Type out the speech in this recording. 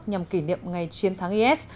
nhằm kỷ niệm ngày chiến thắng is